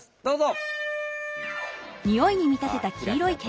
どうぞ！